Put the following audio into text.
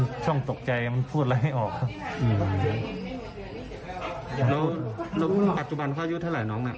มันช่องตกใจมันพูดอะไรให้อ๋อครับอื้มเราอัจจุบันภาคยุทย์เท่าไรน้องน่ะ